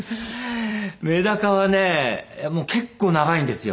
メダカはね結構長いんですよ。